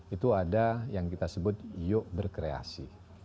itu ada yang kita sebut yuk berkreasi